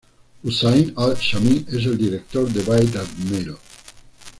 Husayn al-Shami es el director de Bayt al-Mal.